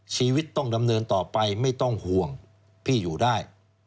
ชีวิตต้องดำเนินต่อไปไม่ต้องห่วงพี่อยู่ได้